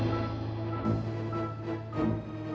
ini sebuah penuh garah dan hidupmu